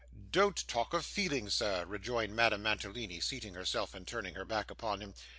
'Don't talk of feelings, sir,' rejoined Madame Mantalini, seating herself, and turning her back upon him.